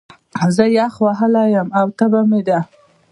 زه يخ وهلی يم، او تبه مې ده